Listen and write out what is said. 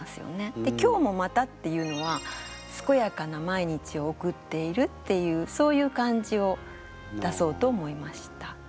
で「今日もまた」っていうのはすこやかな毎日を送っているっていうそういう感じを出そうと思いました。